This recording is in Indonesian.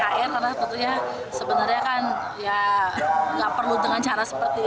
karena tentunya sebenarnya kan ya nggak perlu dengan cara seperti itu